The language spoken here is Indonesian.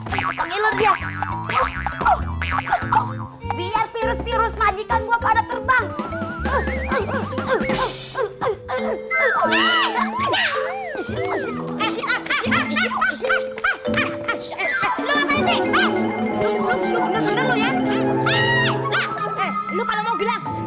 biar virus virus majikan gua pada terbang